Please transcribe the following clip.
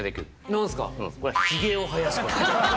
何すか？